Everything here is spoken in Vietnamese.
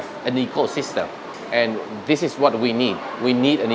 và đây là điều chúng ta cần